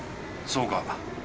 そうか。